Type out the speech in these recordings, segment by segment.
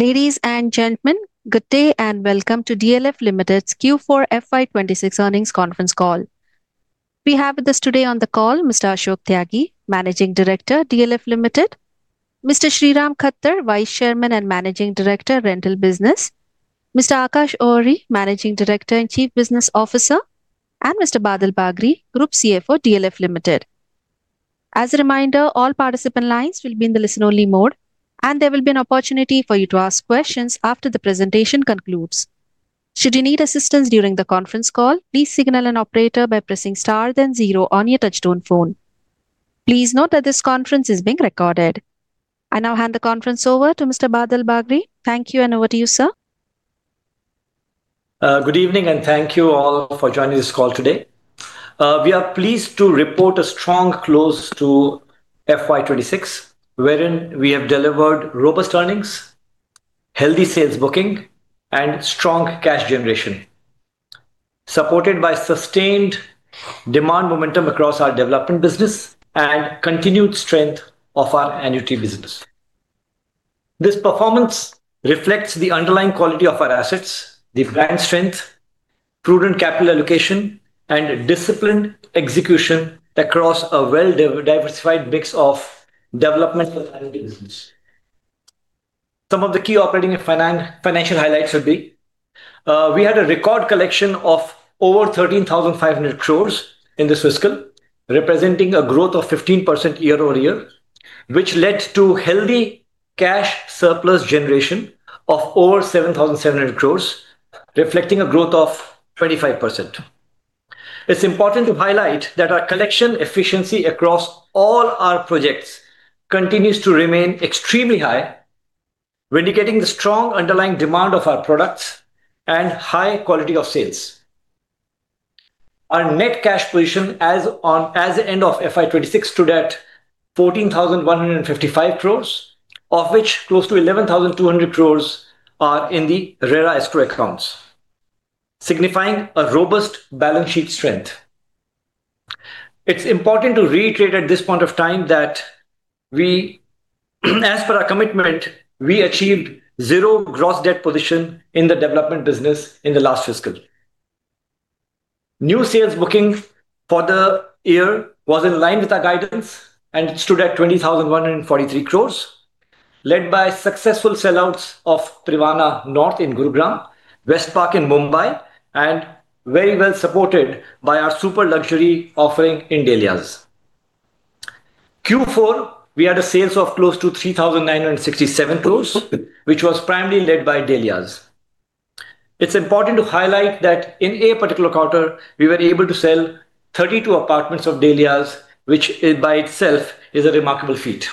Ladies and gentlemen, good day and welcome to DLF Limited's Q4 FY 2026 earnings conference call. We have with us today on the call Mr. Ashok Tyagi, Managing Director, DLF Limited. Mr. Sriram Khattar, Vice Chairman and Managing Director, Rental Business. Mr. Aakash Ohri, Managing Director and Chief Business Officer, and Mr. Badal Bagri, Group CFO, DLF Limited. As a reminder, all participant lines will be in the listen-only mode, and there will be an opportunity for you to ask questions after the presentation concludes. Should you need assistance during the conference call, please signal an operator by pressing star zero on your touchtone phone. Please note that this conference is being recorded. I now hand the conference over to Mr. Badal Bagri. Thank you, and over to you, sir. Good evening, thank you all for joining this call today. We are pleased to report a strong close to FY 2026, wherein we have delivered robust earnings, healthy sales booking, and strong cash generation, supported by sustained demand momentum across our development business and continued strength of our annuity business. This performance reflects the underlying quality of our assets, the brand strength, prudent capital allocation, and disciplined execution across a well-diversified mix of developmental business. Some of the key operating and financial highlights would be, we had a record collection of over 13,500 crore in this fiscal, representing a growth of 15% year-over-year, which led to healthy cash surplus generation of over 7,700 crore, reflecting a growth of 25%. It's important to highlight that our collection efficiency across all our projects continues to remain extremely high, vindicating the strong underlying demand of our products and high quality of sales. Our net cash position as at end of FY 2026 stood at 14,155 crore, of which close to 11,200 crore are in the RERA escrows accounts, signifying a robust balance sheet strength. It's important to reiterate at this point of time that as per our commitment, we achieved 0 gross debt position in the development business in the last fiscal. New sales booking for the year was in line with our guidance and stood at 20,143 crore, led by successful sellouts of Privana North in Gurugram, Westpark in Mumbai, and very well supported by our super luxury offering in Dahlias. Q4, we had a sales of close to 3,967 crore, which was primarily led by The Dahlias. It's important to highlight that in a particular quarter, we were able to sell 32 apartments of The Dahlias, which by itself is a remarkable feat.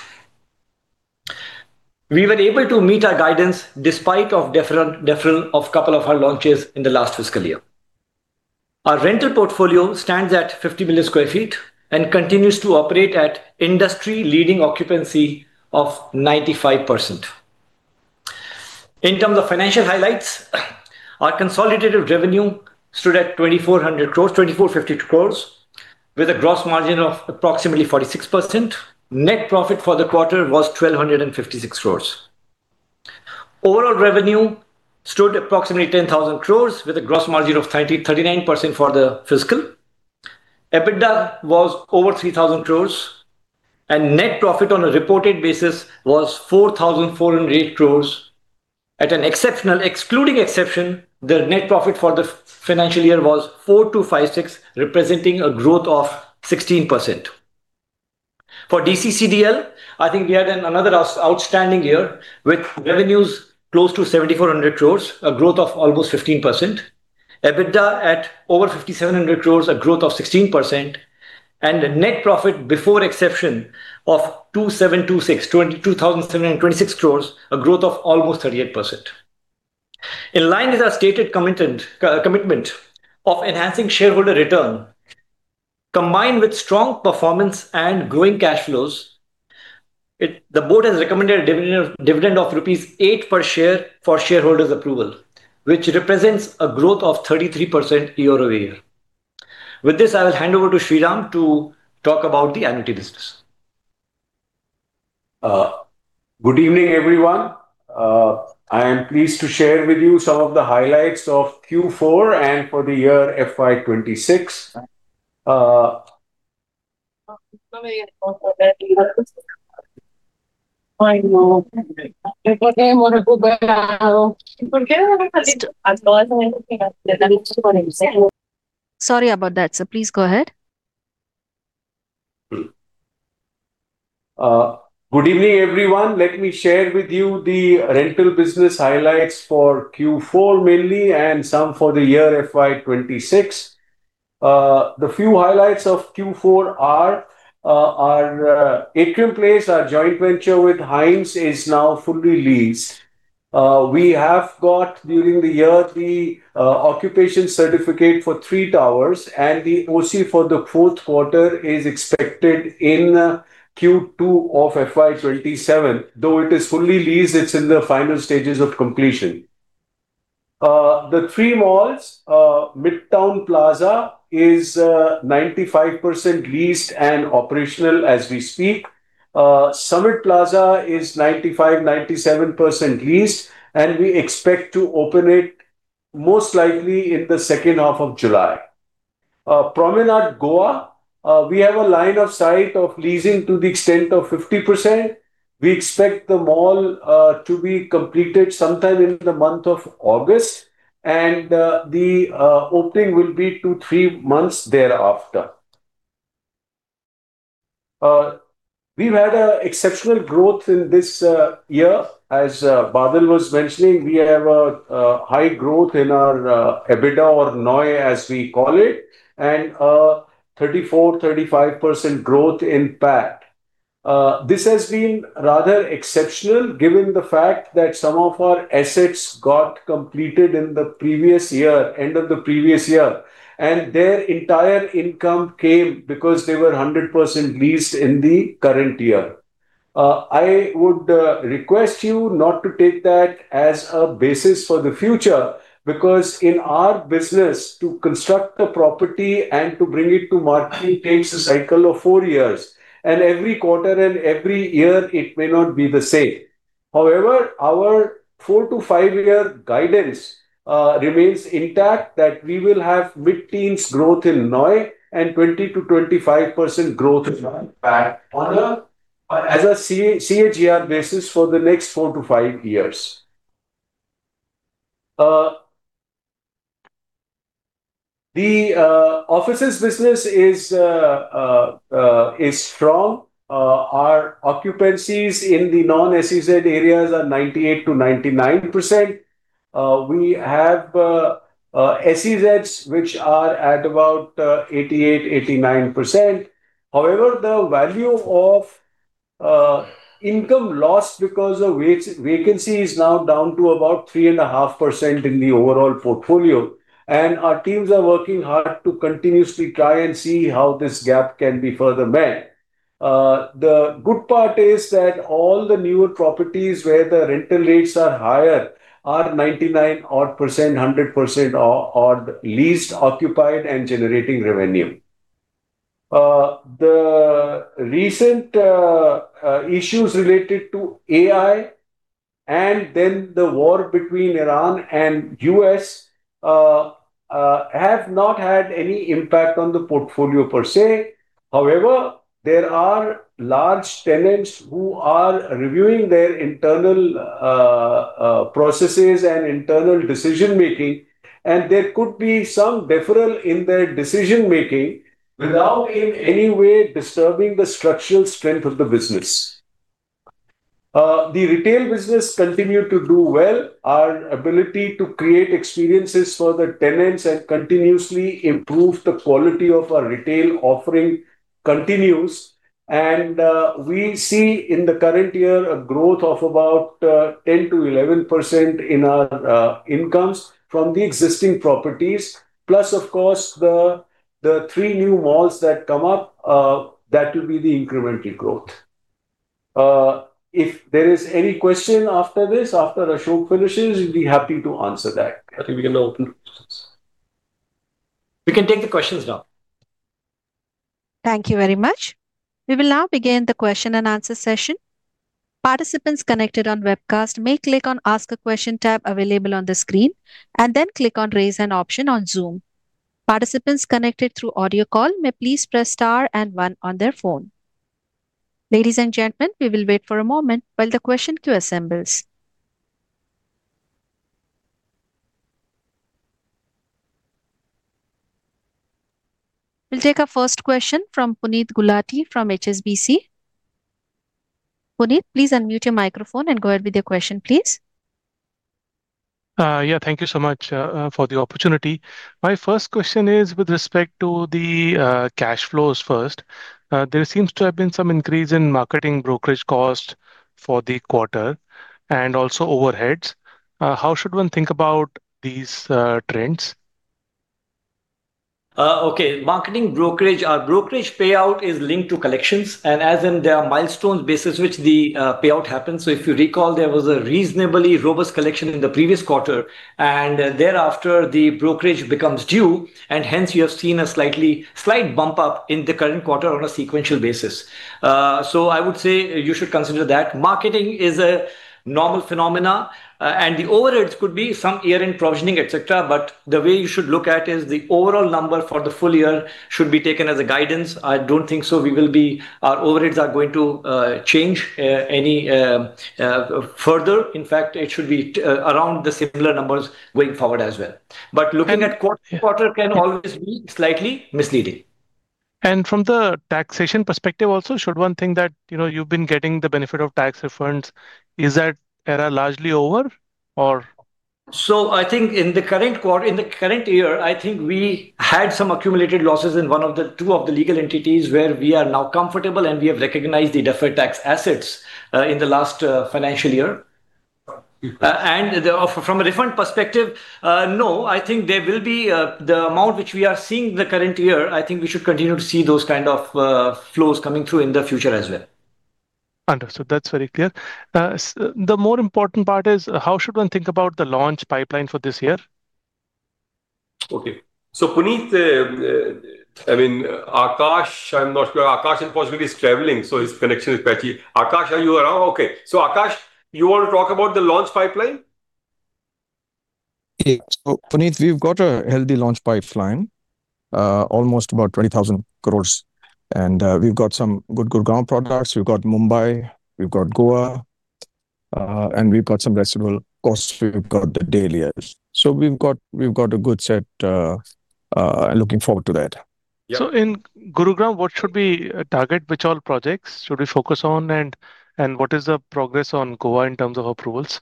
We were able to meet our guidance despite of deferral of couple of our launches in the last fiscal year. Our rental portfolio stands at 50 million sq ft and continues to operate at industry leading occupancy of 95%. In terms of financial highlights, our consolidated revenue stood at 2,452 crore, with a gross margin of approximately 46%. Net profit for the quarter was 1,256 crore. Overall revenue stood approximately 10,000 crore with a gross margin of 39% for the fiscal. EBITDA was over 3,000 crore. Net profit on a reported basis was 4,408 crore. Excluding exception, the net profit for the financial year was 4,256, representing a growth of 16%. For DCCDL, I think we had another outstanding year with revenues close to 7,400 crore, a growth of almost 15%. EBITDA at over 5,700 crore, a growth of 16%. Net profit before exception of 22,726 crore, a growth of almost 38%. In line with our stated commitment of enhancing shareholder return, combined with strong performance and growing cash flows, the board has recommended a dividend of rupees 8 per share for shareholders approval, which represents a growth of 33% year-over-year. With this, I will hand over to Sriram to talk about the annuity business. Good evening, everyone. I am pleased to share with you some of the highlights of Q4 and for the year FY 2026. Sorry about that, sir. Please go ahead. Good evening, everyone. Let me share with you the rental business highlights for Q4 mainly and some for the year FY 2026. The few highlights of Q4 are, our Atrium Place, our joint venture with Hines, is now fully leased. We have got during the year the occupation certificate for three towers, and the OC for the fourth quarter is expected in Q2 of FY 2027. Though it is fully leased, it's in the final stages of completion. The three malls, Midtown Plaza is 95% leased and operational as we speak. Summit Plaza is 95%-97% leased, and we expect to open it most likely in the second half of July. Promenade Goa, we have a line of sight of leasing to the extent of 50%. We expect the mall to be completed sometime in the month of August, and the opening will be two, three months thereafter. We've had a exceptional growth in this year. As Badal was mentioning, we have a high growth in our EBITDA or NOI as we call it, and 34%, 35% growth in PAT. This has been rather exceptional given the fact that some of our assets got completed in the previous year, end of the previous year, and their entire income came because they were 100% leased in the current year. I would request you not to take that as a basis for the future, because in our business, to construct a property and to bring it to market takes a cycle of four years, and every quarter and every year it may not be the same. However, our four- to five-year guidance remains intact that we will have mid-teens growth in NOI and 20%-25% growth in PAT on a CAGR basis for the next four to five years. The offices business is strong. Our occupancies in the non-SEZ areas are 98%-99%. We have SEZs which are at about 88%, 89%. However, the value of income lost because of vacancy is now down to about 3.5% in the overall portfolio, and our teams are working hard to continuously try and see how this gap can be further met. The good part is that all the newer properties where the rental rates are higher are 99 odd percent, 100% odd leased, occupied, and generating revenue. The recent issues related to AI and then the war between Iran and U.S. have not had any impact on the portfolio per se. However, there are large tenants who are reviewing their internal processes and internal decision-making, and there could be some deferral in their decision-making without in any way disturbing the structural strength of the business. The retail business continue to do well. Our ability to create experiences for the tenants and continuously improve the quality of our retail offering continues, and we see in the current year a growth of about 10%-11% in our incomes from the existing properties. Of course, the three new malls that come up, that will be the incremental growth. If there is any question after this, after Ashok finishes, we'll be happy to answer that. I think we can now open the questions. We can take the questions now. Thank you very much. We will now begin the question and answer session. Participants connected on webcast may click on Ask a Question tab available on the screen, and then click on Raise Hand option on Zoom. Participants connected through audio call may please press star and one on their phone. Ladies and gentlemen, we will wait for a moment while the question queue assembles. We will take our first question from Puneet Gulati from HSBC. Puneet, please unmute your microphone and go ahead with your question, please. Yeah, thank you so much for the opportunity. My first question is with respect to the cash flows first. There seems to have been some increase in marketing brokerage cost for the quarter, and also overheads. How should one think about these trends? Okay. Marketing brokerage. Our brokerage payout is linked to collections, and as in there are milestones basis which the payout happens. If you recall, there was a reasonably robust collection in the previous quarter, and thereafter the brokerage becomes due, and hence you have seen a slightly bump up in the current quarter on a sequential basis. I would say you should consider that. Marketing is a normal phenomena. And the overheads could be some year-end provisioning, et cetera, but the way you should look at is the overall number for the full year should be taken as a guidance. I don't think so we will be our overheads are going to change any further. In fact, it should be around the similar numbers going forward as well. Looking at quarter-over-quarter can always be slightly misleading. From the taxation perspective also, should one think that, you know, you've been getting the benefit of tax refunds, is that era largely over or? I think in the current year, I think we had some accumulated losses in one of the two of the legal entities where we are now comfortable, and we have recognized the deferred tax assets in the last financial year. From a refund perspective, no. I think there will be the amount which we are seeing the current year, I think we should continue to see those kind of flows coming through in the future as well. Understood. That's very clear. The more important part is how should one think about the launch pipeline for this year? Puneet, I mean, Aakash, I'm not sure. Aakash unfortunately is traveling, so his connection is patchy. Aakash, are you around? Aakash, you want to talk about the launch pipeline? Yeah. Puneet, we've got a healthy launch pipeline, almost about 20,000 crore. We've got some good Gurugram products. We've got Mumbai, we've got Goa, and we've got some residuals, of course we've got The Dahlias. We've got a good set, looking forward to that. Yeah. In Gurugram, what should we target? Which all projects should we focus on, and what is the progress on Goa in terms of approvals?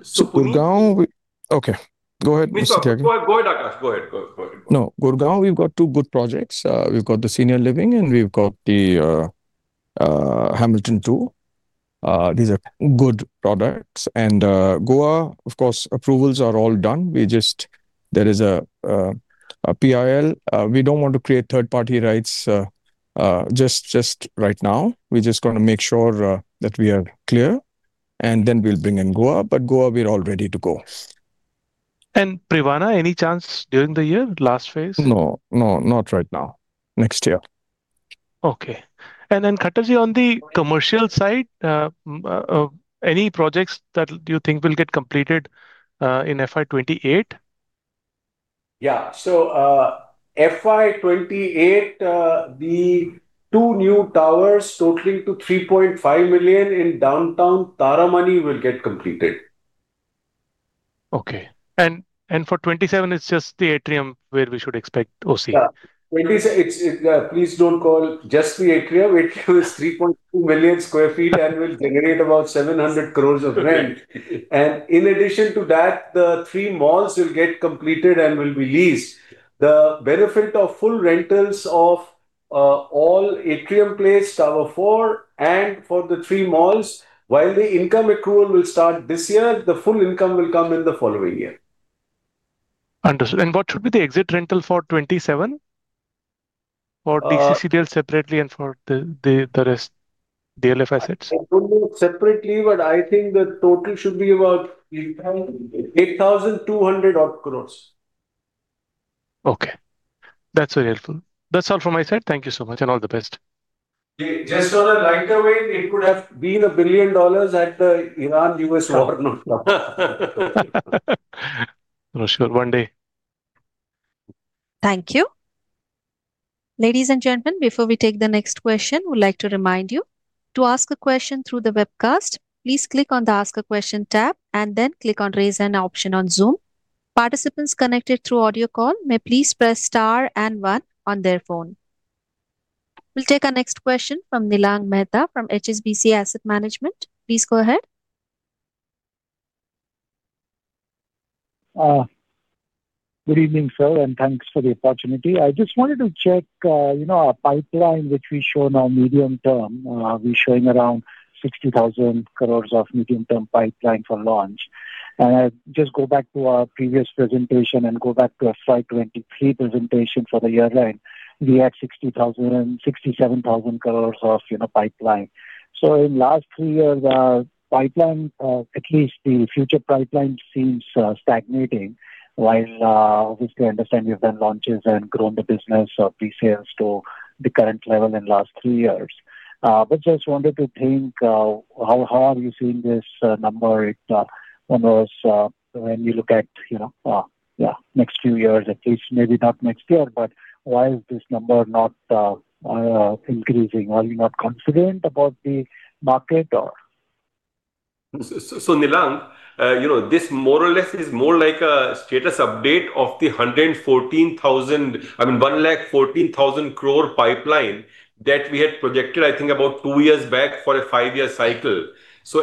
Gurugram. Gurugram, Okay, go ahead, Mr. Tyagi. Go ahead, Aakash. Go ahead. Go ahead. Gurugram, we've got two good projects. We've got the senior living, and we've got the Hamilton Two. These are good products. Goa, of course, approvals are all done. There is a PIL. We don't want to create third party rights, just right now. We're just gonna make sure that we are clear, then we'll bring in Goa. Goa, we are all ready to go. Privana, any chance during the year, last phase? No, no, not right now. Next year. Okay. Khattar, on the commercial side, any projects that you think will get completed, in FY 2028? Yeah. FY 2028, the 2 new towers totaling to 3.5 million in Downtown Taramani will get completed. Okay. For 2027 it's just the atrium where we should expect OC? Yeah. Please don't call just the Atrium Place. Atrium Place is 3.2 million sq ft and will generate about 700 crore of rent. In addition to that, the three malls will get completed and will be leased. The benefit of full rentals of all Atrium Place, Tower 4, and for the three malls, while the income accrual will start this year, the full income will come in the following year. Understood. What should be the exit rental for 2027 for the DCCDL separately and for the rest DLF assets? I don't know separately, but I think the total should be about 8,200 odd crore. Okay. That's very helpful. That's all from my side. Thank you so much, and all the best. Just on a lighter vein, it could have been a billion dollars at the Iran-U.S. war note. Oh, sure, one day. Thank you. Ladies and gentlemen, before we take the next question, we'd like to remind you to ask a question through the webcast, please click on the Ask a Question tab and then click on Raise Hand option on Zoom. Participants connected through audio call may please press star and one on their phone. We'll take our next question from Nilang Mehta from HSBC Asset Management. Please go ahead. Good evening, sir, and thanks for the opportunity. I just wanted to check, you know, our pipeline which we've shown on medium term. We're showing around 60,000 crore of medium-term pipeline for launch. I just go back to our previous presentation and go back to our FY 2023 presentation for the year end. We had 60,000, 67,000 crore of, you know, pipeline. In last three years, pipeline, at least the future pipeline seems stagnating while, obviously I understand you've done launches and grown the business of pre-sales to the current level in last three years. Just wanted to think, how are you seeing this number? It, who knows, when you look at, you know, yeah, next few years at least, maybe not next year. Why is this number not increasing? Are you not confident about the market or? Nilang, you know, this more or less is more like a status update of the 114,000, I mean, 114,000 crore pipeline that we had projected, I think, about two years back for a five-year cycle.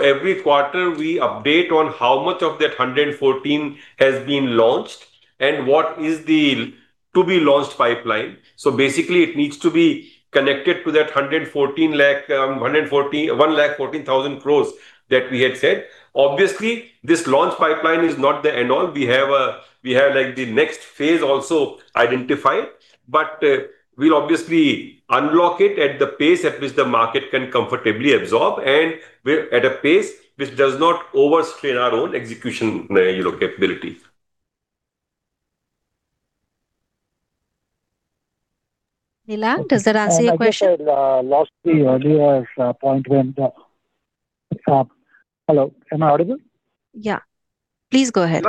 Every quarter we update on how much of that 114 has been launched and what is the to-be-launched pipeline. Basically, it needs to be connected to that 114,000 crore that we had said. Obviously, this launch pipeline is not the end all. We have, like, the next phase also identified. We'll obviously unlock it at the pace at which the market can comfortably absorb, and we're at a pace which does not overstrain our own execution, you know, capability. Nilang, does that answer your question? I think I lost the earlier point when the. Hello, am I audible? Yeah. Please go ahead.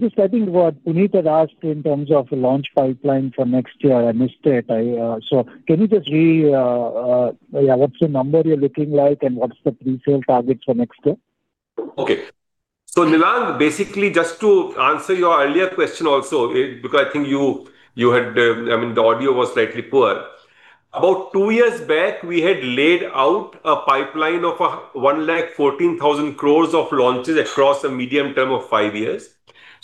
Just I think what Puneet had asked in terms of launch pipeline for next year, I missed it. Can you just what's the number you're looking like and what's the pre-sale target for next year? Okay. Nilang, basically just to answer your earlier question also, because I think you had, I mean, the audio was slightly poor. About two years back, we had laid out a pipeline of 114,000 crore of launches across a medium term of five years.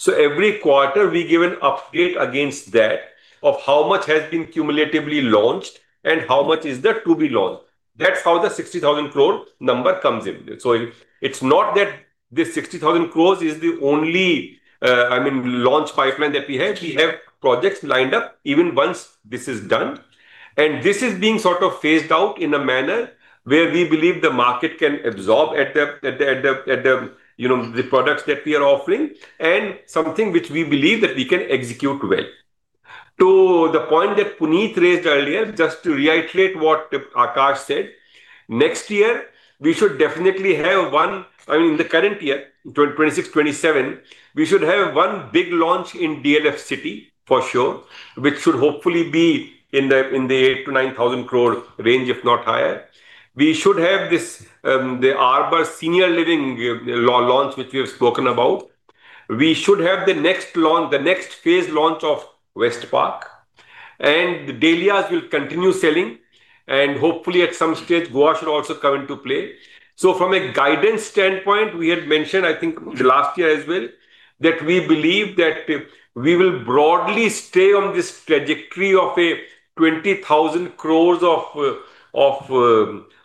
Every quarter we give an update against that of how much has been cumulatively launched and how much is there to be launched. That's how the 60,000 crore number comes in. It's not that the 60,000 crore is the only, I mean, launch pipeline that we have. We have projects lined up even once this is done. This is being sort of phased out in a manner where we believe the market can absorb at the, you know, the products that we are offering, and something which we believe that we can execute well. To the point that Puneet raised earlier, just to reiterate what Aakash said, next year we should definitely have one I mean, in the current year, 2026, 2027, we should have one big launch in DLF City, for sure, which should hopefully be in the 8,000 crore-9,000 crore range, if not higher. We should have this DLF The Arbour senior living launch, which we have spoken about. We should have the next launch, the next phase launch of DLF The Westpark, and The Dahlias will continue selling, and hopefully at some stage Goa should also come into play. From a guidance standpoint, we had mentioned, I think last year as well, that we believe that we will broadly stay on this trajectory of an 20,000 crore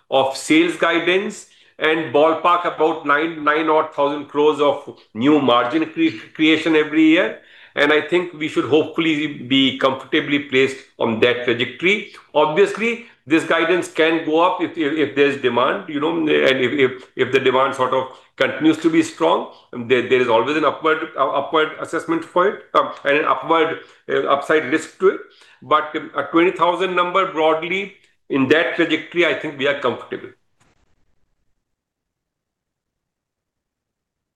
of sales guidance, and ballpark about 9,000 odd crore of new margin creation every year. I think we should hopefully be comfortably placed on that trajectory. Obviously, this guidance can go up if there's demand, you know, and if the demand sort of continues to be strong, there is always an upward assessment for it, and an upward upside risk to it. An 20,000 number broadly, in that trajectory, I think we are comfortable.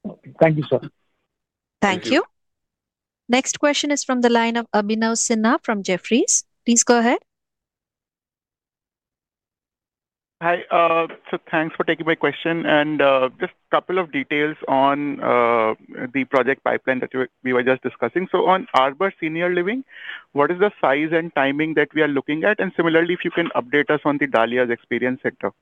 Okay. Thank you, sir. Thank you. Next question is from the line of Abhinav Sinha from Jefferies. Please go ahead. Hi. Thanks for taking my question. Just couple of details on the project pipeline that we were just discussing. On The Arbour senior living, what is the size and timing that we are looking at? Similarly, if you can update us on The Dahlias experience center?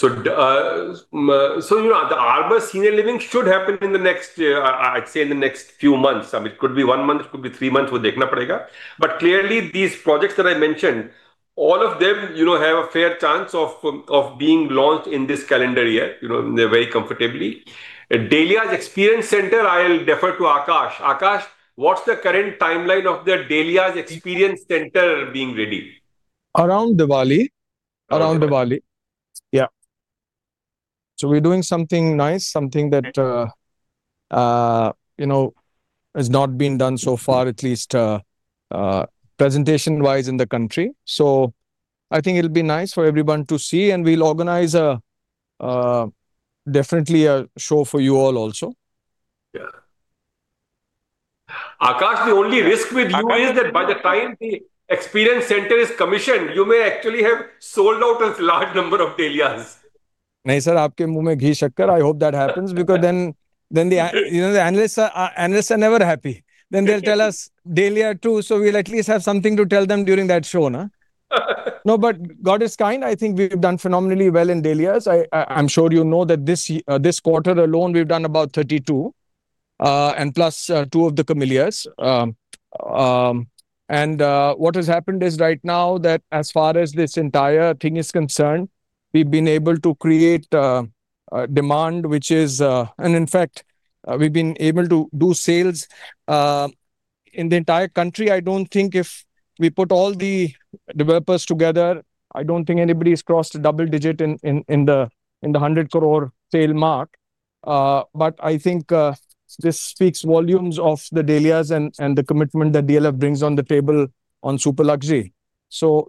you know, The Arbour senior living should happen in the next year. I'd say in the next few months. It could be one month, it could be three months. We'll have to see. Clearly these projects that I mentioned, all of them, you know, have a fair chance of being launched in this calendar year, you know, very comfortably. The Dahlias experience center, I'll defer to Aakash. Aakash, what's the current timeline of The Dahlias experience center being ready? Around Diwali. Yeah. We're doing something nice, something that, you know, has not been done so far, at least, presentation-wise in the country. I think it'll be nice for everyone to see, and we'll organize a definitely a show for you all also. Yeah. Aakash, the only risk with you is that by the time the experience center is commissioned, you may actually have sold out a large number of The Dahlias. No, sir. You speak so well. I hope that happens because then, you know, the analysts are, analysts are never happy. They'll tell us The Dahlias too, so we'll at least have something to tell them during that show, huh? God is kind. I think we've done phenomenally well in The Dahlias. I'm sure you know that this quarter alone, we've done about 32, and plus, two of The Camellias. What has happened is right now that as far as this entire thing is concerned, we've been able to create a demand which is In fact, we've been able to do sales in the entire country. I don't think if we put all the developers together, I don't think anybody's crossed a double-digit in the 100 crore sale mark. I think this speaks volumes of The Dahlias and the commitment that DLF brings on the table on super luxury.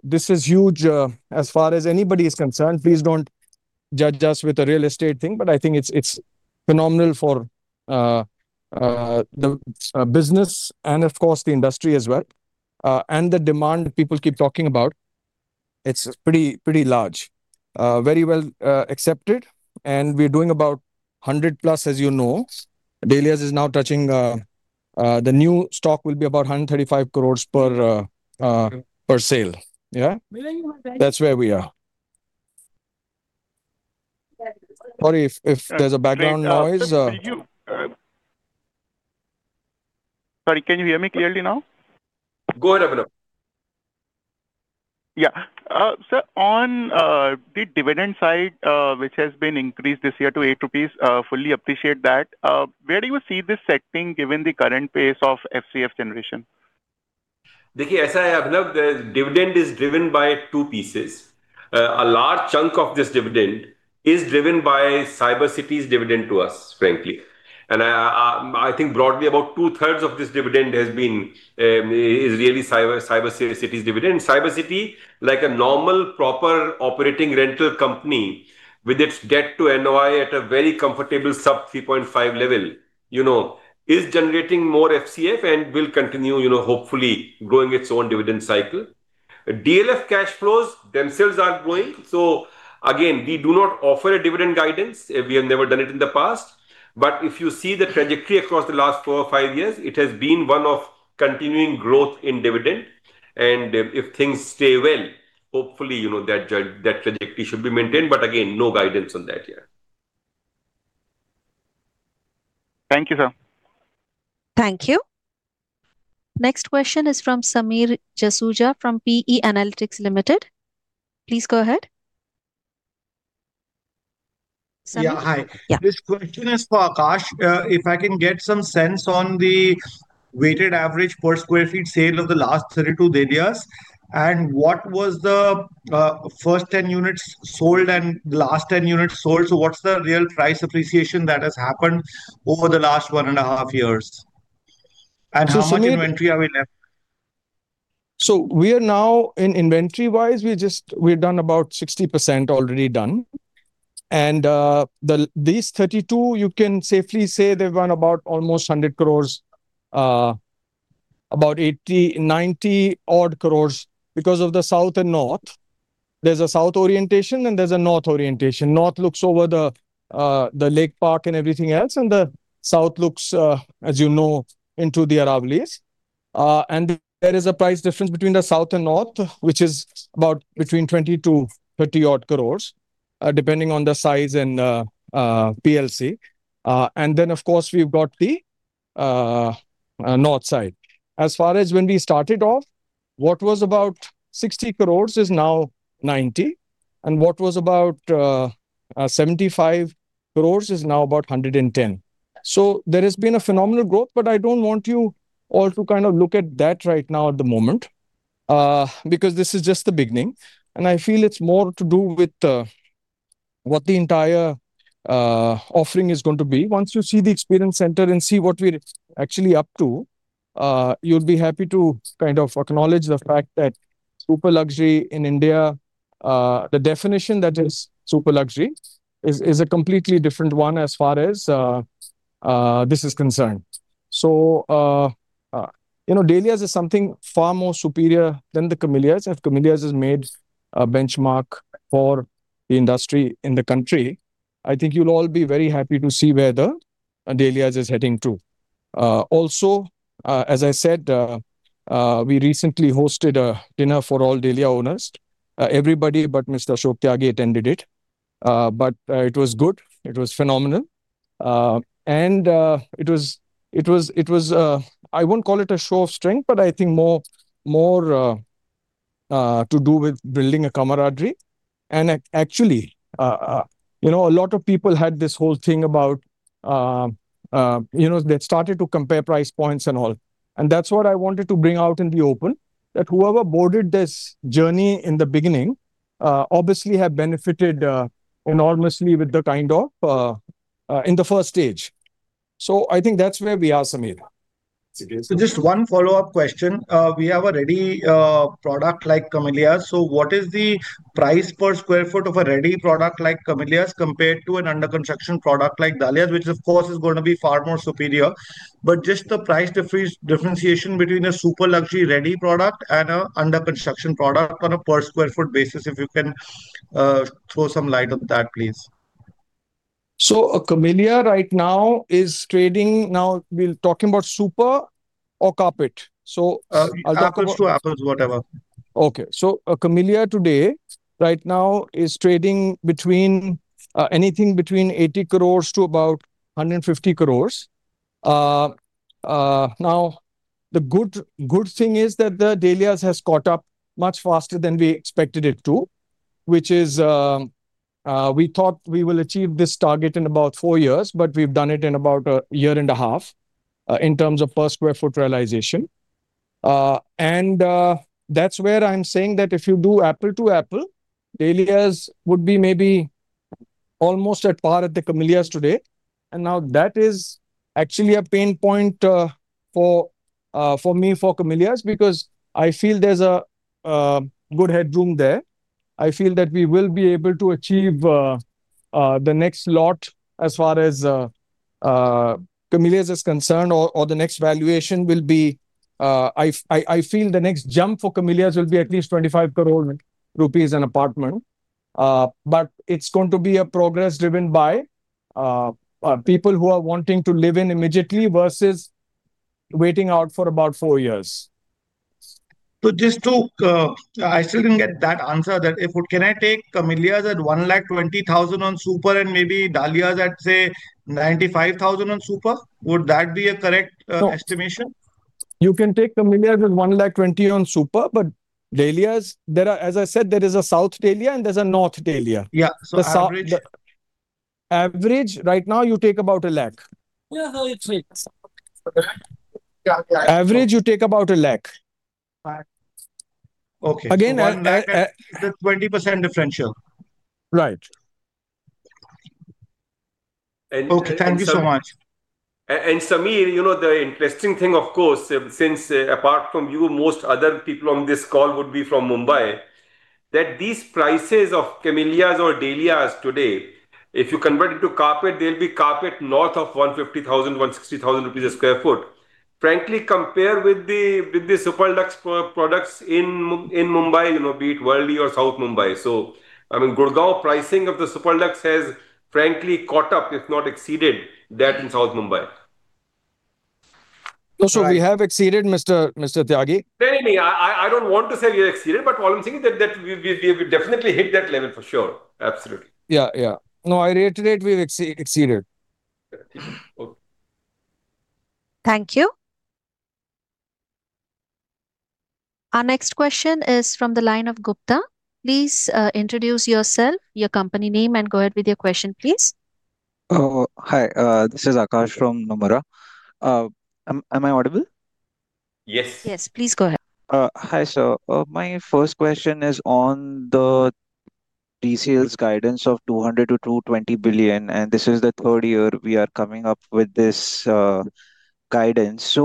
This is huge as far as anybody is concerned. Please don't judge us with a real estate thing, I think it's phenomenal for the business and of course the industry as well. The demand people keep talking about, it's pretty large. Very well accepted, we're doing about 100+, as you know. The Dahlias is now touching, the new stock will be about 135 crore per sale. Yeah. That's where we are. Sorry if there's a background noise. Sorry, can you hear me clearly now? Go ahead, Abhinav. Sir, on the dividend side, which has been increased this year to 8 rupees, fully appreciate that. Where do you see this setting given the current pace of FCF generation? The thing is, Abhinav, the dividend is driven by two pieces. A large chunk of this dividend is driven by Cyber City's dividend to us, frankly. I think broadly about two-thirds of this dividend has been is really Cyber City's dividend. Cyber City, like a normal proper operating rental company with its debt to NOI at a very comfortable sub 3.5 level, you know, is generating more FCF and will continue, you know, hopefully growing its own dividend cycle. DLF cash flows themselves are growing. Again, we do not offer a dividend guidance. We have never done it in the past. If you see the trajectory across the last four or five years, it has been one of continuing growth in dividend. If things stay well, hopefully, you know, that trajectory should be maintained. Again, no guidance on that yet. Thank you, sir. Thank you. Next question is from Samir Jasuja from P.E. Analytics Limited. Please go ahead. Samir, yeah. Yeah, hi. This question is for Aakash. If I can get some sense on the weighted average per sq ft sale of the last 32 Dahlias, and what was the first 10 units sold and the last 10 units sold. What's the real price appreciation that has happened over the last one and half years? Samir. How much inventory are we left? We are now In inventory-wise, we've done about 60% already done. These 32, you can safely say they've gone about almost 100 crore. About 80 crore, 90 odd crore because of the south and north. There's a south orientation and there's a north orientation. North looks over the lake park and everything else, and the south looks, as you know, into the Aravallis. There is a price difference between the south and north, which is about between 20 crore-30 odd crore, depending on the size and PLC. Then, of course, we've got the north side. As far as when we started off, what was about 60 crore is now 90 crore, and what was about 75 crore is now about 110 crore. There has been a phenomenal growth, but I don't want you all to kind of look at that right now at the moment, because this is just the beginning, and I feel it's more to do with what the entire offering is going to be. Once you see the experience center and see what we're actually up to, you'd be happy to kind of acknowledge the fact that super luxury in India, the definition that is super luxury is a completely different one as far as this is concerned. You know, The Dahlias is something far more superior than The Camellias. If The Camellias has made a benchmark for the industry in the country, I think you'll all be very happy to see where The Dahlias is heading to. Also, as I said, we recently hosted a dinner for all Dahlias owners. Everybody but Mr. Ashok Tyagi attended it. It was good. It was phenomenal. It was, I won't call it a show of strength, but I think more to do with building a camaraderie. Actually, you know, a lot of people had this whole thing about, you know, they started to compare price points and all. That's what I wanted to bring out in the open, that whoever boarded this journey in the beginning, obviously have benefited enormously with the kind of in the first stage. I think that's where we are, Samir Jasuja. Just one follow-up question. We have a ready product like Camellias, so what is the price per square foot of a ready product like Camellias compared to an under-construction product like Dahlias, which of course is going to be far more superior? Just the price differentiation between a super luxury ready product and an under-construction product on a per square foot basis, if you can throw some light on that, please. The Camellias right now is trading. Now, we're talking about super or carpet? apples to apples, whatever. Okay. The Camellias today, right now, is trading between anything between 80 crore to about 150 crore. Now, the good thing is that The Dahlias has caught up much faster than we expected it to, which is, we thought we will achieve this target in about four years, but we've done it in about a year and a half in terms of per square foot realization. That's where I'm saying that if you do apple to apple, The Dahlias would be maybe almost at par at The Camellias today. Now that is actually a pain point for me for The Camellias, because I feel there's a good headroom there. I feel that we will be able to achieve the next lot as far as Camellias is concerned or the next valuation will be, I feel the next jump for Camellias will be at least 25 crore rupees an apartment. It's going to be a progress driven by people who are wanting to live in immediately versus waiting out for about four years. I still didn't get that answer. Can I take Camellias at 120,000 on super and maybe Dahlias at, say, 95,000 on super? Would that be a correct estimation? You can take Camellias at 120,000 on super, but Dahlias, there is a South Dahlias and there's a North Dahlias. Yeah, average? The south average, right now you take about 1 lakh. Yeah, it makes. Yeah. Yeah. Average, you take about 1 lakh. Okay. Again 1 lakh at a 20% differential. Right. Okay, thank you so much. Samir, you know, the interesting thing, of course, since, apart from you, most other people on this call would be from Mumbai, that these prices of The Camellias or The Dahlias today, if you convert into carpet, they'll be carpet north of 150,000, 160,000 rupees a sq ft. Frankly, compare with the super lux products in Mumbai, you know, be it Worli or South Mumbai. I mean, Gurugram pricing of the super lux has frankly caught up, if not exceeded, that in South Mumbai. we have exceeded Mr. Tyagi. Believe me, I don't want to say we exceeded, but what I'm saying is that we definitely hit that level for sure. Absolutely. Yeah. Yeah. No, I reiterate we've exceeded. Okay, cool. Thank you. Our next question is from the line of Gupta. Please introduce yourself, your company name, and go ahead with your question, please. Hi, this is Akash from Nomura. Am I audible? Yes. Yes, please go ahead. Hi, sir. My first question is on the pre-sales guidance of 200 billion-220 billion. This is the third year we are coming up with this guidance.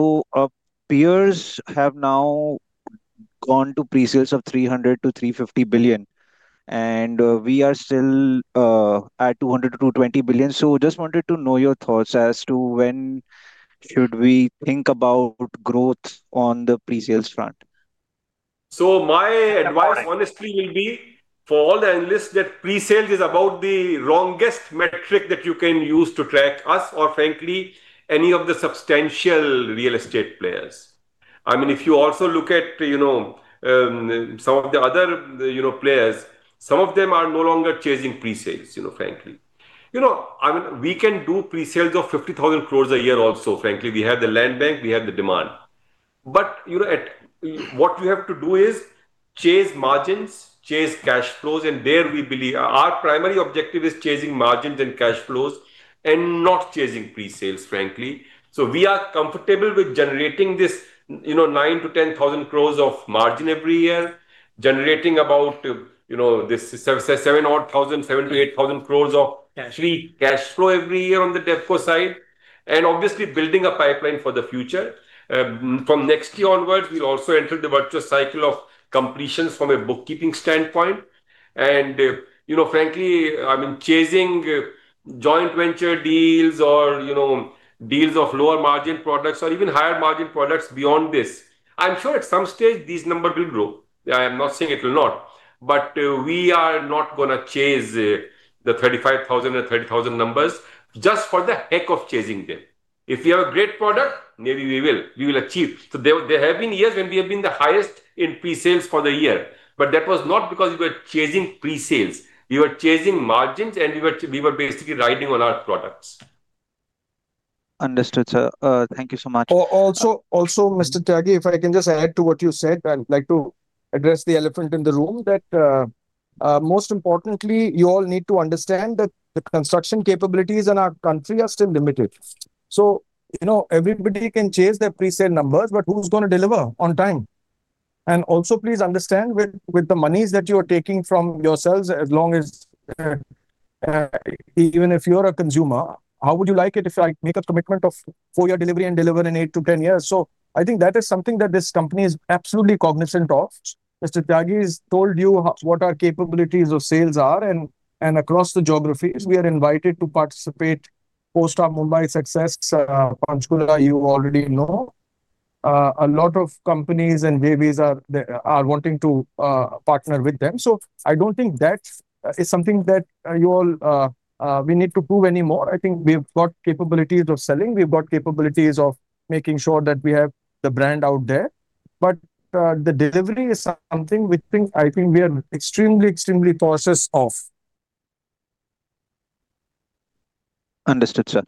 Peers have now gone to pre-sales of 300 billion-350 billion. We are still at 200 billion-220 billion. Just wanted to know your thoughts as to when should we think about growth on the pre-sales front? My advice honestly will be for all the analysts that pre-sales is about the wrongest metric that you can use to track us or frankly, any of the substantial real estate players. I mean, if you also look at, you know, some of the other, you know, players, some of them are no longer chasing pre-sales, you know, frankly. You know, I mean, we can do pre-sales of 50,000 crore a year also, frankly. We have the land bank, we have the demand. You know, what we have to do is chase margins, chase cash flows, and there we believe our primary objective is chasing margins and cash flows and not chasing pre-sales, frankly. We are comfortable with generating this, you know, 9,000 crore-10,000 crore of margin every year, generating about, you know, 7,000 crore-8,000 crore. Cash flow. actually cash flow every year on the DevCo side, and obviously building a pipeline for the future. From next year onwards, we also enter the virtuous cycle of completions from a bookkeeping standpoint and, frankly, I mean, chasing joint venture deals or deals of lower margin products or even higher margin products beyond this. I'm sure at some stage these number will grow. I am not saying it will not. We are not gonna chase the 35,000 and 30,000 numbers just for the heck of chasing them. If we have a great product, maybe we will. We will achieve. There have been years when we have been the highest in pre-sales for the year, but that was not because we were chasing pre-sales. We were chasing margins, and we were basically riding on our products. Understood, sir. Thank you so much. Also, Mr. Tyagi, if I can just add to what you said, I'd like to address the elephant in the room that most importantly, you all need to understand that the construction capabilities in our country are still limited. You know, everybody can chase their pre-sale numbers, but who's gonna deliver on time? Also please understand with the monies that you are taking from yourselves, as long as, even if you're a consumer, how would you like it if I make a commitment of four-year delivery and deliver in 8-10 years? I think that is something that this company is absolutely cognizant of. Mr. Tyagi has told you what our capabilities of sales are and across the geographies. We are invited to participate post our Mumbai success. Panchkula you already know. A lot of companies and JVs are wanting to partner with them. I don't think that is something that you all we need to prove anymore. I think we've got capabilities of selling. We've got capabilities of making sure that we have the brand out there. The delivery is something which I think we are extremely conscious of. Understood, sir.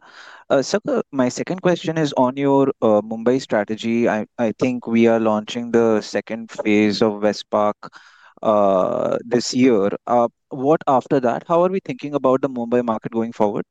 Sir, my second question is on your Mumbai strategy. I think we are launching the second phase of The Westpark this year. What after that? How are we thinking about the Mumbai market going forward?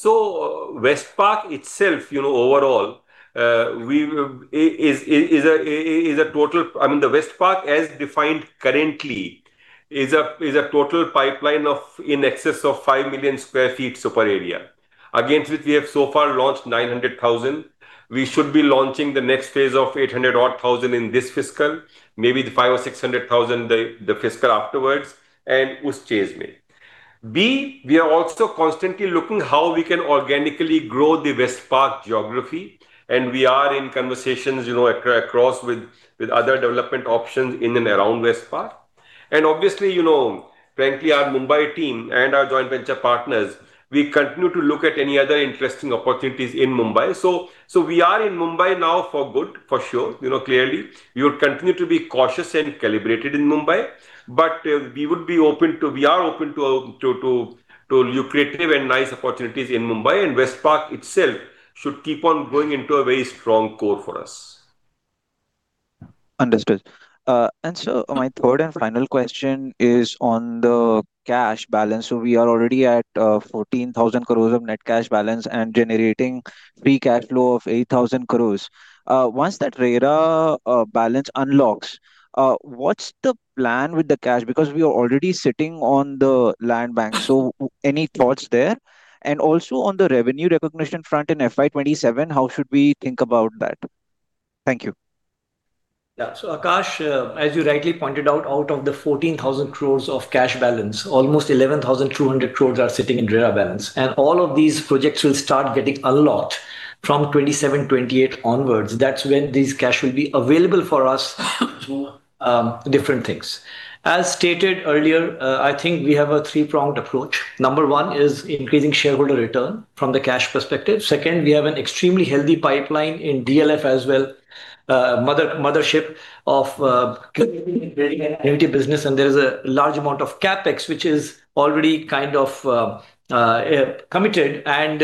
Westpark itself, you know, overall, is a total I mean, the Westpark as defined currently is a total pipeline of in excess of 5 million sq ft super area. Against which we have so far launched 900,000. We should be launching the next phase of 800 odd thousand in this fiscal, maybe the 500,000 or 600,000 the fiscal afterwards. Understood. My third and final question is on the cash balance. We are already at 14,000 crore of net cash balance and generating free cash flow of 8,000 crore. Once that RERA balance unlocks, what's the plan with the cash? We are already sitting on the land bank. Any thoughts there? Also on the revenue recognition front in FY 2027, how should we think about that? Thank you. Yeah. Akash, as you rightly pointed out of the 14,000 crore of cash balance, almost 11,200 crore are sitting in RERA balance. All of these projects will start getting unlocked from 2027, 2028 onwards. That's when this cash will be available for us do different things. As stated earlier, I think we have a three-pronged approach. Number one is increasing shareholder return from the cash perspective. Second, we have an extremely healthy pipeline in DLF as well, mothership of building an annuity business, and there is a large amount of CapEx which is already kind of committed and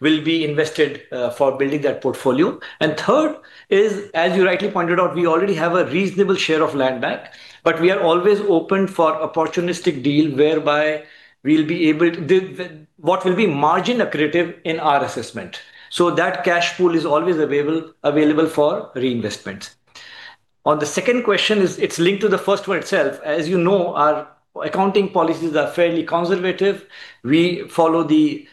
will be invested for building that portfolio. Third is, as you rightly pointed out, we already have a reasonable share of land bank, but we are always open for opportunistic deal whereby we'll be able What will be margin accretive in our assessment. That cash flow is always available for reinvestment. On the second question, it's linked to the first one itself. As you know, our accounting policies are fairly conservative. We follow the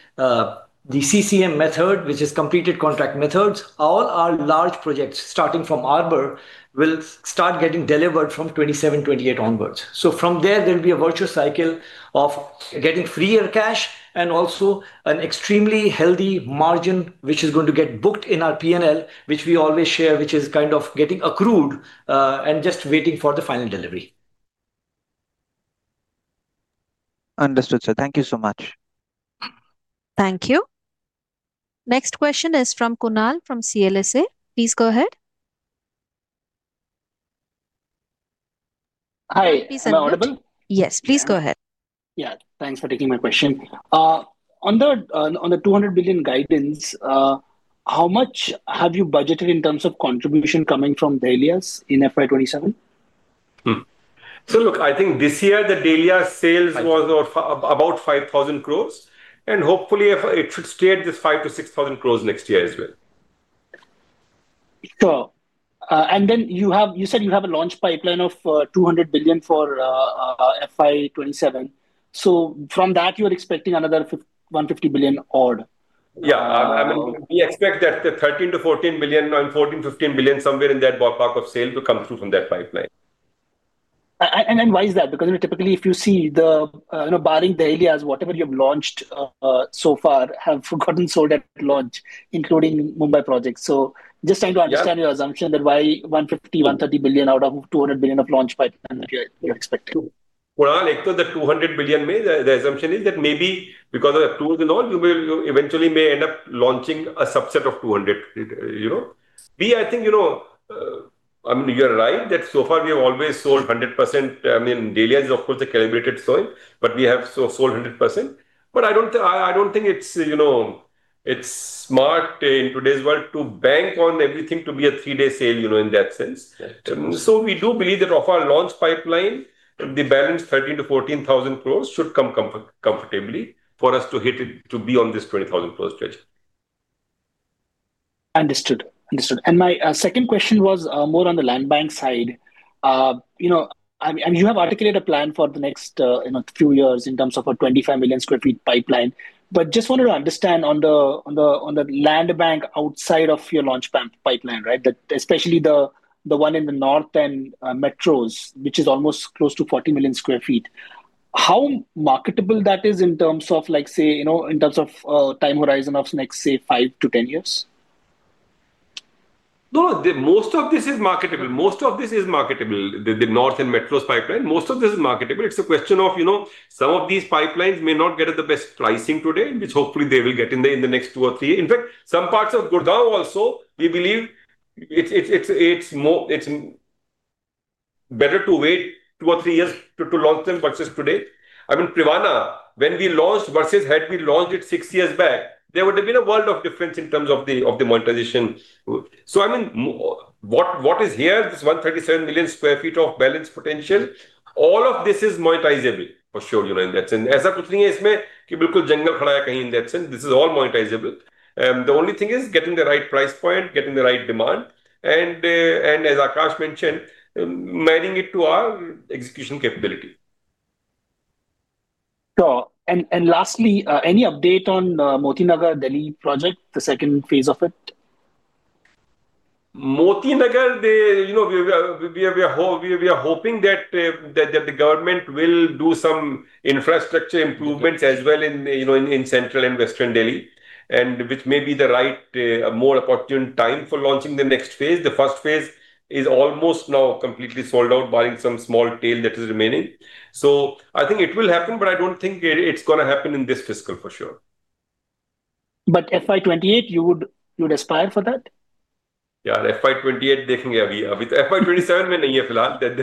CCM method, which is Completed Contract Method. All our large projects, starting from The Arbour, will start getting delivered from 2027, 2028 onwards. From there'll be a virtual cycle of getting freer cash and also an extremely healthy margin, which is going to get booked in our P&L, which we always share, which is kind of getting accrued and just waiting for the final delivery. Understood, sir. Thank you so much. Thank you. Next question is from Kunal from CLSA. Please go ahead. Hi. Can you please unmute? Am I audible? Yes. Yeah. Please go ahead. Yeah. Thanks for taking my question. On the 200 billion guidance, how much have you budgeted in terms of contribution coming from The Dahlias in FY 2027? look, I think this year the Dahlia sales. Right was about 5,000 crore, and hopefully if it should stay at this 5,000 crore-6,000 crore next year as well. Sure. You have, you said you have a launch pipeline of 200 billion for FY 2027. From that, you're expecting another 150 billion odd. Yeah. I mean, we expect that the 13 billion-14 billion, 14 billion, 15 billion, somewhere in that ballpark of sales will come through from that pipeline. Why is that? You know, typically if you see the, you know, barring The Dahlias, whatever you've launched so far have gotten sold at launch, including Mumbai projects. Yeah understand your assumption that why 150 billion, 130 billion out of 200 billion of launch pipeline that you're expecting? Kunal, like to the 200 billion, the assumption is that maybe because of the approvals and all, you eventually may end up launching a subset of 200. You know? We, I think, you know, I mean, you're right that so far we have always sold 100%, I mean, The Dahlias is of course a calibrated sale, but we have so sold 100%. I don't think it's, you know, it's smart in today's world to bank on everything to be a three-day sale, you know, in that sense. Yeah. We do believe that of our launch pipeline, the balance 13,000 crore-14,000 crore should come comfortably for us to hit it to be on this 20,000 crore stretch. Understood. Understood. My, second question was, more on the land bank side. you know, I mean, and you have articulated a plan for the next, you know, few years in terms of a 25 million sq ft pipeline. Just wanted to understand on the land bank outside of your launch pipeline, right? Especially the one in the NCR and metros, which is almost close to 40 million sq ft. How marketable that is in terms of like, say, you know, in terms of time horizon of next, say, 5-10 years? No, most of this is marketable. Most of this is marketable. The NCR and metros pipeline, most of this is marketable. It's a question of, you know, some of these pipelines may not get at the best pricing today, which hopefully they will get in the next two or three. In fact, some parts of Gurugram also, we believe it's more, it's better to wait two or three years to launch them versus today. I mean, Privana, when we launched versus had we launched it six years back, there would've been a world of difference in terms of the monetization. I mean, what is here, this 137 million sq ft of balance potential, all of this is monetizable, for sure, you know, in that sense. Sure. Lastly, any update on Moti Nagar Delhi project, the second phase of it? Moti Nagar, you know, we are hoping that the government will do some infrastructure improvements as well in, you know, in central and western Delhi, and which may be the right more opportune time for launching the next phase. The first phase is almost now completely sold out barring some small tail that is remaining. I think it will happen, but I don't think it's gonna happen in this fiscal for sure. FY 2028, you would aspire for that? Yeah, FY 2028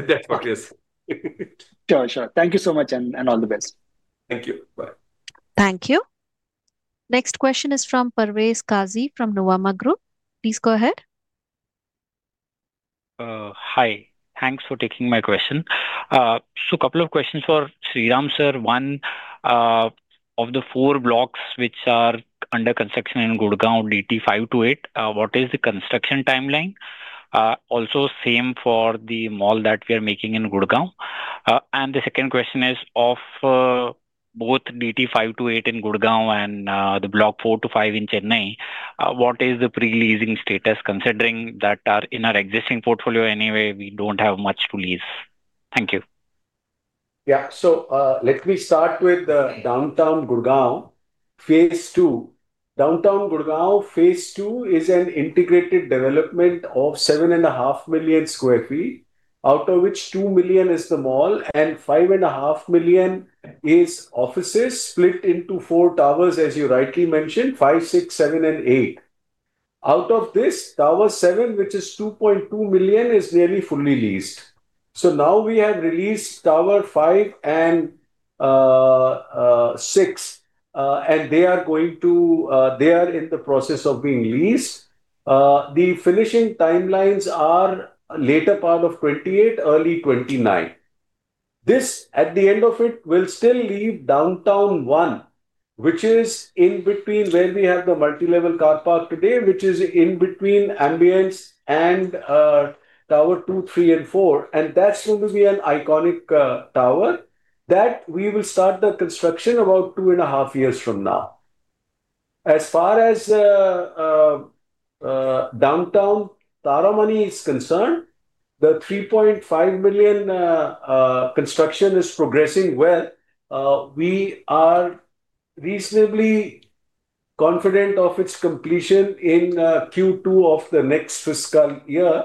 that's what it is. Sure. Sure. Thank you so much, and all the best. Thank you. Bye. Thank you. Next question is from Parvez Qazi from Nuvama Group. Please go ahead. Hi. Thanks for taking my question. Couple of questions for Sriram, sir. One, of the four blocks which are under construction in Gurgaon Downtown 5 to 8, what is the construction timeline? Also, same for the mall that we are making in Gurgaon. The second question is of both Downtown 5 to 8 in Gurgaon and the Block 4 to 5 in Chennai, what is the pre-leasing status considering that in our existing portfolio anyway, we don't have much to lease. Thank you. Let me start with the Downtown Gurgaon Phase 2. Downtown Gurgaon Phase 2 is an integrated development of 7.5 million sq ft, out of which two million is the mall and 5.5 million is offices split into four towers, as you rightly mentioned, 5, 6, 7 and 8. Out of this, Tower 7, which is 2.2 million, is nearly fully leased. Now we have released Tower 5 and 6, and they are in the process of being leased. The finishing timelines are later part of 2028, early 2029. This, at the end of it, will still leave Downtown One, which is in between where we have the multi-level car park today, which is in between Ambience and Tower 2, 3 and 4, and that's going to be an iconic tower that we will start the construction about two and a half years from now. As far as Downtown Taramani is concerned, the 3.5 million construction is progressing well. We are reasonably confident of its completion in Q2 of the next fiscal year.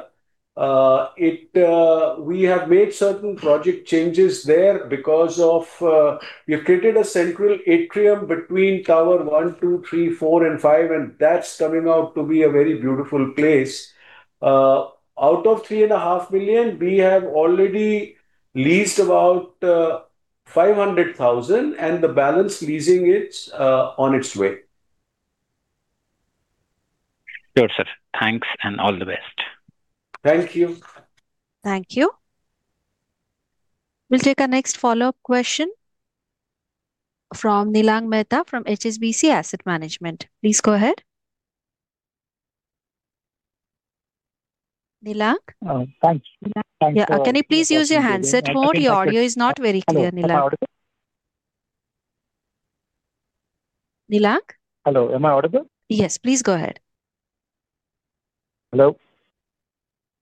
We have made certain project changes there. We have created a central atrium between tower 1, 2, 3, 4 and 5, and that's coming out to be a very beautiful place. Out of 3.5 million sq ft, we have already leased about 500,000 sq ft, and the balance leasing is on its way. Sure, sir. Thanks and all the best. Thank you. Thank you. We'll take our next follow-up question from Nilang Mehta from HSBC Asset Management. Please go ahead. Nilang? Thanks. Thanks. Yeah. Can you please use your handset? Your audio is not very clear, Nilang. Hello. Am I audible? Nilang? Hello. Am I audible? Yes. Please go ahead. Hello?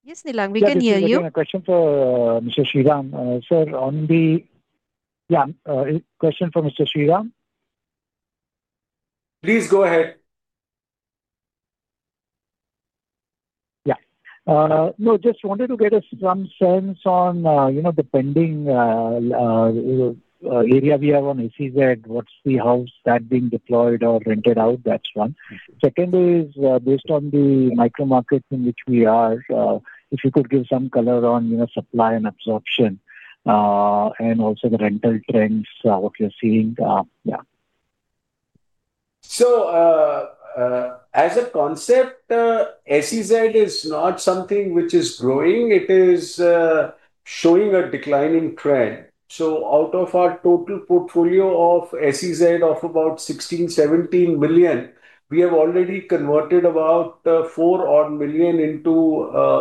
Yes, Nilang, we can hear you. Yeah, this is again a question for Mr. Sriram. Please go ahead. Yeah. No, just wanted to get a some sense on, you know, the pending area we have on SEZ. How's that being deployed or rented out? That's one. Second is, based on the micro markets in which we are, if you could give some color on, you know, supply and absorption, and also the rental trends, what you're seeing. Yeah. As a concept, SEZ is not something which is growing, it is showing a declining trend. Out of our total portfolio of SEZ of about 16 -17 million sq ft, we have already converted about 4-odd million sq ft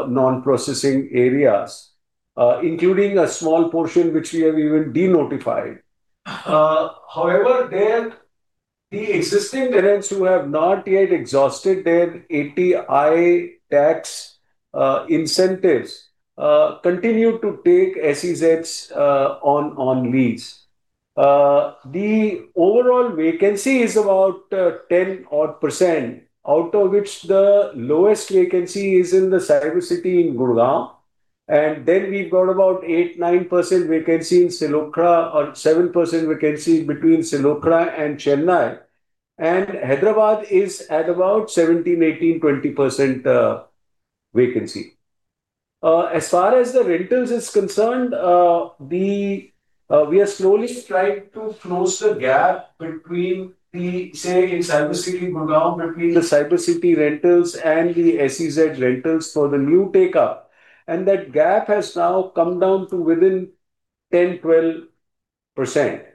into non-processing areas, including a small portion which we have even denotified. However, there, the existing tenants who have not yet exhausted their 80-IA tax incentives, continue to take SEZs on lease. The overall vacancy is about 10-odd percent, out of which the lowest vacancy is in the Cyber City in Gurugram. We've got about 8%-9% vacancy in Silokhera or 7% vacancy between Silokhera and Chennai. Hyderabad is at about 17%-20% vacancy. As far as the rentals is concerned, we are slowly trying to close the gap between the, say, in Cyber City, Gurgaon, between the Cyber City rentals and the SEZ rentals for the new take-up, that gap has now come down to within 10%-12%.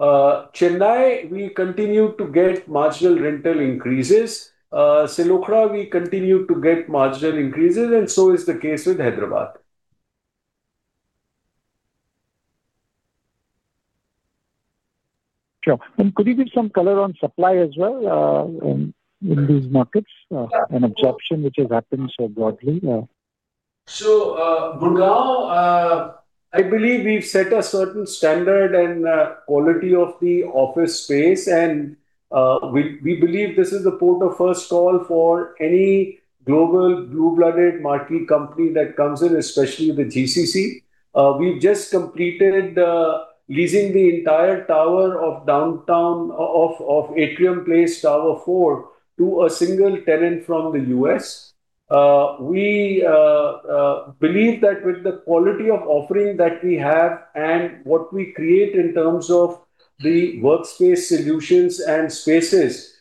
Chennai, we continue to get marginal rental increases. Silokhera, we continue to get marginal increases, so is the case with Hyderabad. Sure. Could you give some color on supply as well, in these markets, and absorption which is happening so broadly? Gurugram, I believe we've set a certain standard and quality of the office space and we believe this is the port of first call for any global blue-blooded marquee company that comes in, especially the GCC. We've just completed leasing the entire tower of Downtown, of Atrium Place Tower 4 to a single tenant from the U.S. We believe that with the quality of offering that we have and what we create in terms of the workspace solutions and spaces,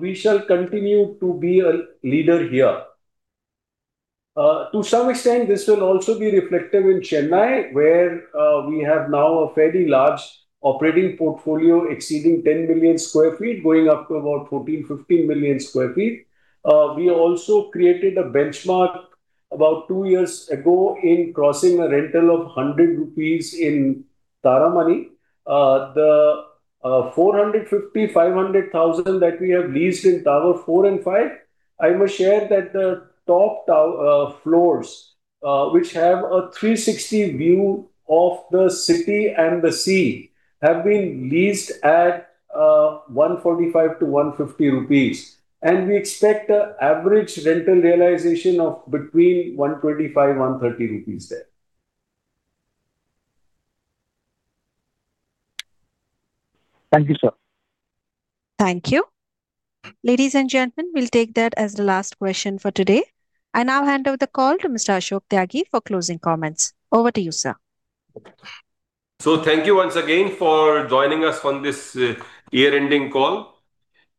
we shall continue to be a leader here. To some extent, this will also be reflective in Chennai where we have now a fairly large operating portfolio exceeding 10 million sq ft, going up to about 14 million-15 million sq ft. We also created a benchmark About two years ago in crossing a rental of 100 rupees in Taramani, the 450,000-500,000 sq ft that we have leased in Tower 4 and 5, I must share that the top floors, which have a 360 view of the city and the sea, have been leased at 145-150 rupees. We expect an average rental realization of between 125-130 rupees there. Thank you, sir. Thank you. Ladies and gentlemen, we'll take that as the last question for today. I now hand over the call to Mr. Ashok Tyagi for closing comments. Over to you, sir. Thank you once again for joining us on this year-ending call.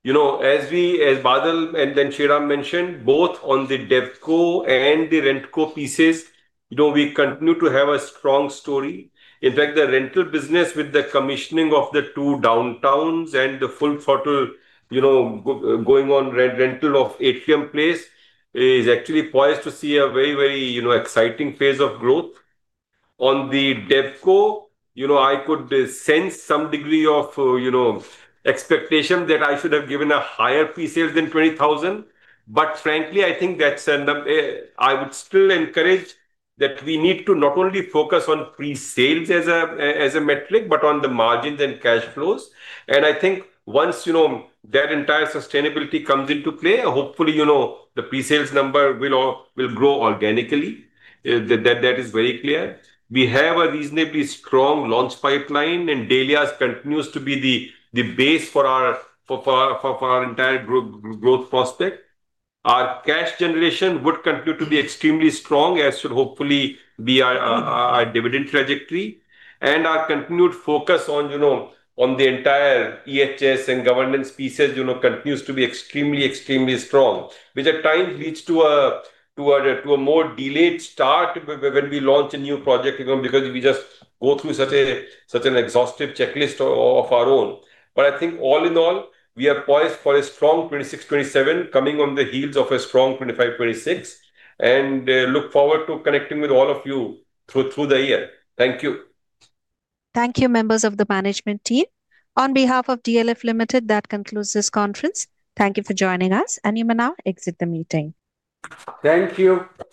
You know, as we, as Badal Bagri and then Sriram Khattar mentioned, both on the DevCo and the RentCo pieces, you know, we continue to have a strong story. In fact, the rental business with the commissioning of the two Downtowns and the full throttle, you know, going on re-rental of Atrium Place, is actually poised to see a very, very, you know, exciting phase of growth. On the DevCo, you know, I could sense some degree of, you know, expectation that I should have given a higher pre-sales than 20,000, but frankly, I think I would still encourage that we need to not only focus on pre-sales as a, as a metric, but on the margins and cash flows. I think once, you know, that entire sustainability comes into play, hopefully, you know, the pre-sales number will grow organically. That is very clear. We have a reasonably strong launch pipeline, Delhi continues to be the base for our entire growth prospect. Our cash generation would continue to be extremely strong, as should hopefully be our dividend trajectory. Our continued focus on, you know, on the entire EHS and governance pieces, you know, continues to be extremely strong, which at times leads to a more delayed start when we launch a new project, you know, because we just go through such an exhaustive checklist of our own. I think all in all, we are poised for a strong 2026, 2027 coming on the heels of a strong 2025, 2026. Look forward to connecting with all of you through the year. Thank you. Thank you, members of the management team. On behalf of DLF Limited, that concludes this conference. Thank you for joining us, and you may now exit the meeting. Thank you. Thank you